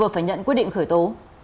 phải nhận quyết định khởi tố